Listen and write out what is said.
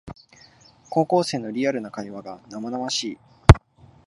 高校生のリアルな会話が生々しい